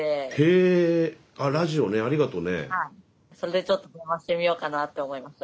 それでちょっと電話してみようかなって思いました。